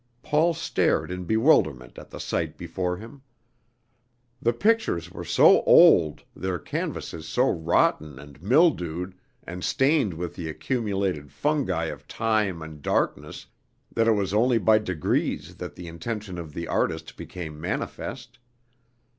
Paul stared in bewilderment at the sight before him. The pictures were so old, their canvases so rotten and mildewed and stained with the accumulated fungi of time and darkness that it was only by degrees that the intention of the artist became manifest.